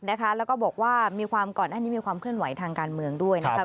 แล้วก็บอกว่ามีความขึ้นทางการเมืองด้วย